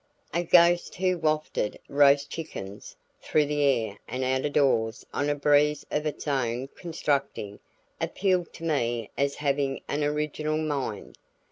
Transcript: A ghost who wafted roast chickens through the air and out of doors on a breeze of its own constructing, appealed to me as having an original mind.